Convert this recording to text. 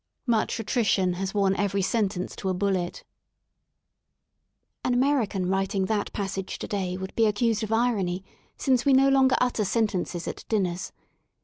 Muck atirition fias worn evety sentence to a bullet," An American writing that passage to^ay would be accused of irony, since we no longer utter sentences at dinners.